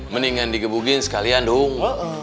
mendingan dikebukin sekalian dong